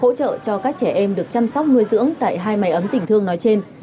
hỗ trợ cho các trẻ em được chăm sóc nuôi dưỡng tại hai máy ấm tỉnh thương nói trên